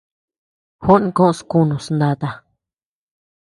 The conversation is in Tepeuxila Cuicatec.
Juó koʼös kunus nata.